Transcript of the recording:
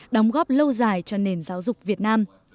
đóng góp lâu dài cho nền giáo dục việt nam